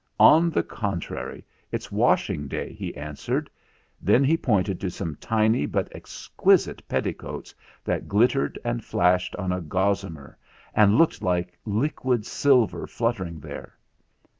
"On the contrary, it's washing day," he an swered. Then he pointed to some tiny but ex quisite petticoats that glittered and flashed on a gossamer and looked like liquid silver flut tering there.